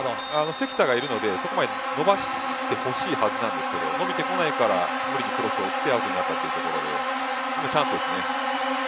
関田がいるので、そこまで伸ばしてほしいはずなんですけど伸びてこないから無理にクロスを打つとミスになるというところで今はチャンスですね。